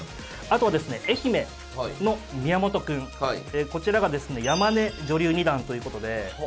あとはですね愛媛の宮本くんこちらがですね山根女流二段ということで。